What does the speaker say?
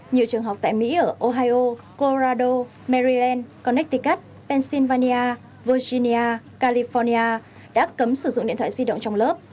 nhiều trường học tại mỹ ở ohio korado mariel connecticut pennsylvania virginia california đã cấm sử dụng điện thoại di động trong lớp